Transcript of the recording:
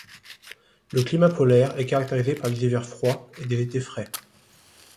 Le climat polaire est caractérisé par des hivers froids et des étés frais.